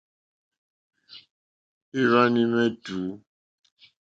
Ìwàná émá ètǔ.